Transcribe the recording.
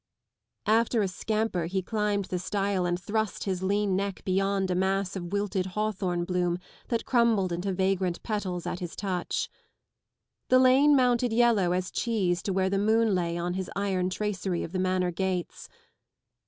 " After a scamper he climbed the stile and thrust his lean neck beyond a mass of wilted hawthorn bloom that crumbled into vagrant petals at his touch. 105 The lane mounted yellow as cheese to where the moon lay on bis iron tracery of. the Manor gates.